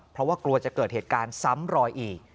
เพราะว่ากลัวจะเกิดเหตุการณ์ซ้ำรอยอีก